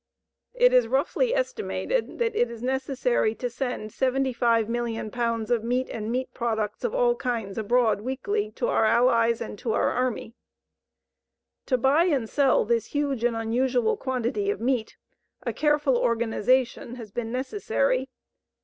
It is roughly estimated that it is necessary to send 75,000,000 pounds of meat and meat products of all kinds abroad weekly to the Allies and our army. To buy and sell this huge and unusual quantity of meat, a careful organization has been necessary.